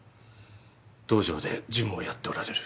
道場で事務をやっておられる。